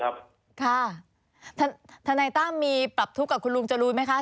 ครับทานายต้ำมีปรับทุกข์กับคุณลุงจะรู้ไหมคะ